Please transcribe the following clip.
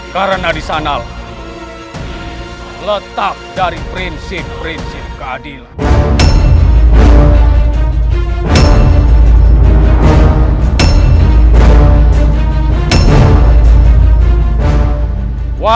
karena di sana letak dari prinsip prinsip keadilan